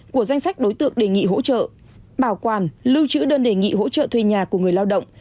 của danh sách đối tượng đề nghị hỗ trợ bảo quản lưu trữ đơn đề nghị hỗ trợ thuê nhà của người lao động